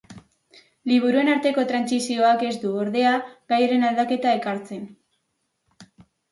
Liburuen arteko trantsizioak ez du, ordea, gaiaren aldaketa ekartzen.